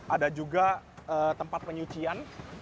ada juga tempat penyucian